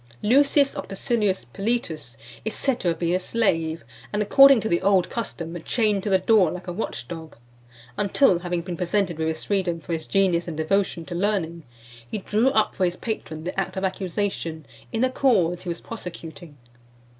III. LUCIUS OCTACILIUS PILITUS is said to have been a slave, and, according to the old custom, chained to the door like a watch dog ; until, having been presented with his freedom for his genius and devotion to learning, he drew up for his patron the act of accusation in a cause he was prosecuting.